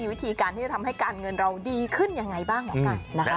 มีวิธีการที่จะทำให้การเงินเราดีขึ้นยังไงบ้างเหรอครับ